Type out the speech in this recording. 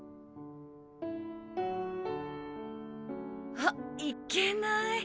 あいけない。